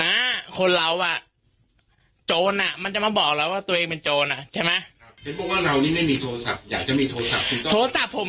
คนเราอ่ะโจรอ่ะมันจะมาบอกเราว่าตัวเองเป็นโจรออ่ะใช่ไหม